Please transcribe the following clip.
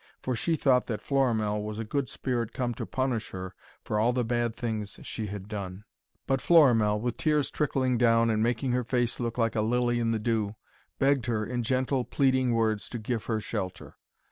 For she thought that Florimell was a good spirit come to punish her for all the bad things she had done. But Florimell, with tears trickling down and making her face look like a lily in the dew, begged her, in gentle, pleading words, to give her shelter.